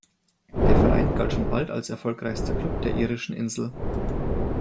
Der Verein galt schon bald als erfolgreichster Klub der irischen Insel.